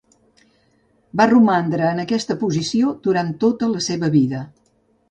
Va romandre en aquesta posició durant tota la seva vida.